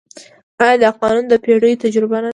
آیا دا قانون د پېړیو تجربه نه ده؟